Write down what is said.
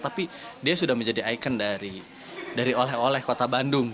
tapi dia sudah menjadi ikon dari oleh kota bandung